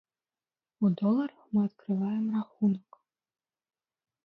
У доларах мы адкрываем рахунак.